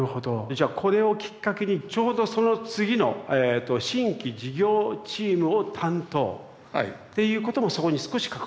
じゃこれをきっかけにちょうどその次の新規事業チームを担当。っていうこともそこに少し関わっている？